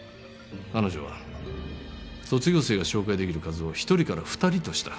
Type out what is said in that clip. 彼女は卒業生が紹介できる数を１人から２人とした。